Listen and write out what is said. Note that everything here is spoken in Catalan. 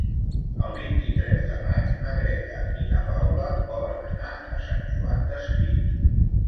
El vint-i-tres de maig na Greta i na Paula volen anar a Sant Joan Despí.